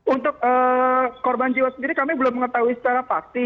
untuk korban jiwa sendiri kami belum mengetahui secara pasti